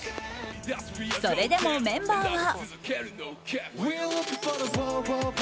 それでもメンバーは。